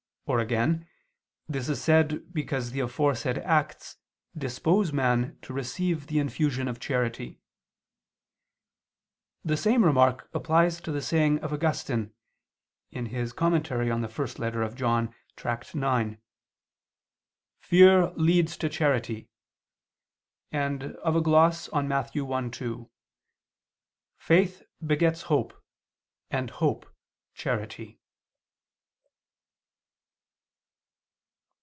Or again, this is said because the aforesaid acts dispose man to receive the infusion of charity. The same remark applies to the saying of Augustine (Tract. ix in prim. canon. Joan.): "Fear leads to charity," and of a gloss on Matt. 1:2: "Faith begets hope, and hope charity."